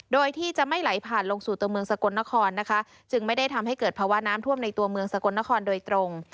โดยที่จะไม่ไหลผ่านลงสู่ตัวเมืองสกลนครนะคะจึงไม่ได้ทำให้เกิดภาวะน้ำท่วมในตัวเมืองสกลนครโดยตรง